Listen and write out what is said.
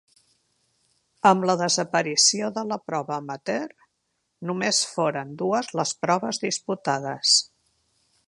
Amb la desaparició de la prova amateur, només foren dues les proves disputades.